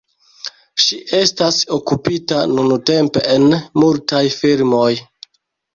Ŝi estas okupita nuntempe en multaj filmoj.